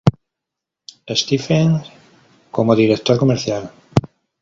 Stephens como director comercial.